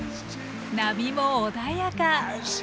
波も穏やか！